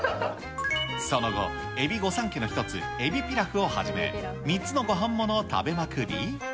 その後、エビ御三家の一つ、エビピラフをはじめ、３つのごはんものを食べまくり。